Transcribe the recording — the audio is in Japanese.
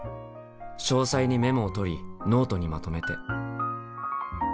詳細にメモを取りノートにまとめて。